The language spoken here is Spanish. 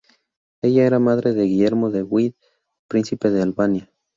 Ella era la madre de Guillermo de Wied, Príncipe de Albania.